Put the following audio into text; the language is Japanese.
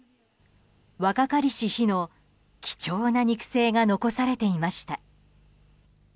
若かりし日の貴重な肉声が残されていました。